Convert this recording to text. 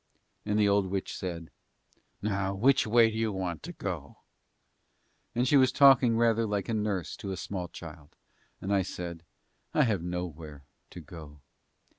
And the old witch said, "Now which way do you want to go?" and she was talking rather like a nurse to a small child. And I said, "I have nowhere to go."